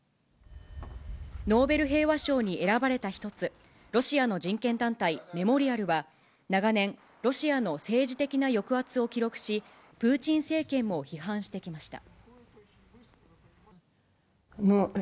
ノーベル平和賞に選ばれた１つ、ロシアの人権団体、メモリアルは、長年、ロシアの政治的な抑圧を記録し、プーチン政権も批判してきました。